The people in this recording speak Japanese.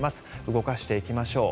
動かしていきましょう。